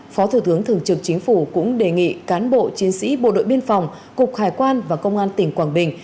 phó thủ tướng thường trực chính phủ cũng đề nghị cán bộ chiến sĩ bộ đội biên phòng cục hải quan và công an tỉnh quảng bình